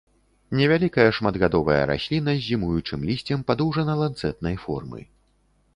Невялікая шматгадовая расліна з зімуючым лісцем падоўжана-ланцэтнай формы.